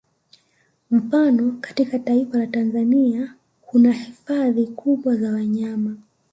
Mfano katika taifa la Tanzania kuna hifadhi kubwa za wanyama